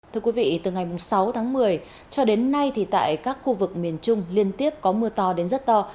thưa quý vị từ ngày sáu tháng một mươi cho đến nay thì tại các khu vực miền trung liên tiếp có mưa to đến rất to